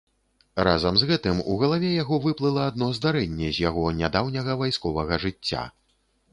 Разам з гэтым у галаве яго выплыла адно здарэнне з яго нядаўняга вайсковага жыцця.